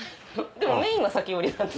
でもメインは裂織りなんで。